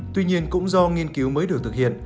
tuy nhiên cũng do nghiên cứu mới được thực hiện